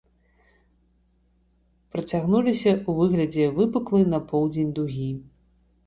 Працягнуліся ў выглядзе выпуклай на поўдзень дугі.